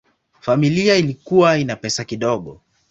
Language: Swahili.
Familia ilikuwa ina pesa kidogo.